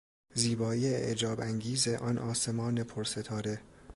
زیبایی اعجاب انگیز آن آسمان پرستاره